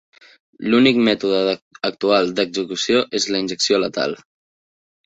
L'únic mètode actual d'execució és la injecció letal.